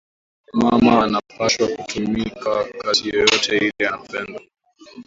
Mama anapashwa kutumika kazi yoyote ile anapenda